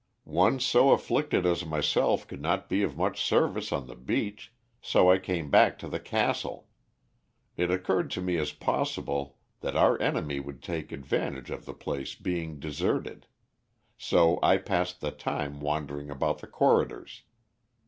"One so afflicted as myself could not be of much service on the beach, so I came back to the castle. It occurred to me as possible that our enemy would take advantage of the place being deserted. So I passed the time wandering about the corridors.